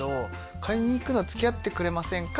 「買いに行くのつきあってくれませんか？」